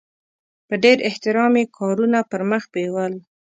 په ډېر احترام یې کارونه پرمخ بیول.